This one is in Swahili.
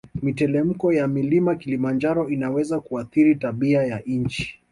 Mitelemko ya mlima kilimanjaro inaweza kuathiri tabia ya nchi